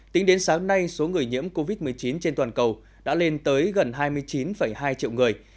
tính đến sáng nay số người nhiễm covid một mươi chín trên toàn cầu đã lên tới gần hai mươi chín hai triệu người